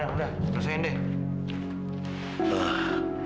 udah selesaiin deh